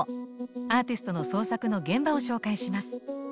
アーティストの創作の現場を紹介します。